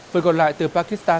với còn lại từ pakistan